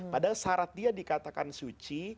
padahal syarat dia dikatakan suci